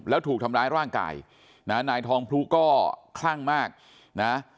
แล้วถูกทำร้ายร่างกายนะนายทองพลุก็คลั่งมากนะ